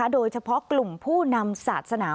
โดยเฉพาะกลุ่มผู้นำศาสนา